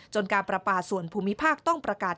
การประปาส่วนภูมิภาคต้องประกาศ